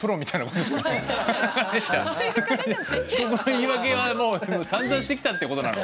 遅刻の言い訳はもうさんざんしてきたって事なの？